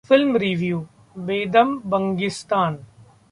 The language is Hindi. Film Review: बेदम 'बंगिस्तान'